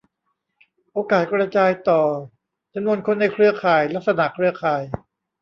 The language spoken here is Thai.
โอกาสกระจายต่อ จำนวนคนในเครือข่าย ลักษณะเครือข่าย